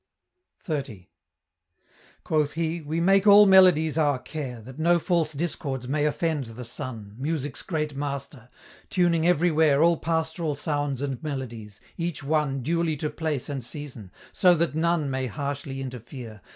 XXX. Quoth he, "We make all melodies our care, That no false discords may offend the Sun, Music's great master tuning everywhere All pastoral sounds and melodies, each one Duly to place and season, so that none May harshly interfere.